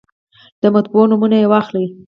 د مطبعو نومونه یې واخلئ.